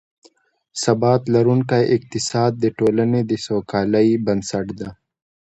ثبات لرونکی اقتصاد، د ټولنې د سوکالۍ بنسټ دی